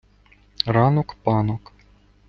ранок – панок